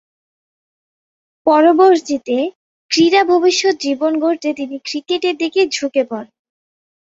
পরবর্তীতে ক্রীড়া ভবিষ্যৎ জীবন গড়তে তিনি ক্রিকেটের দিকে ঝুঁকে পড়েন।